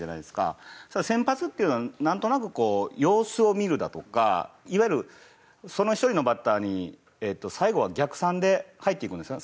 先発っていうのはなんとなくこう様子を見るだとかいわゆるその１人のバッターに最後は逆算で入っていくんですね。